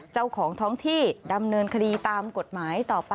เจ้าของท้องที่ดำเนินคดีตามกฎหมายต่อไป